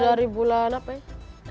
dari bulan apa ya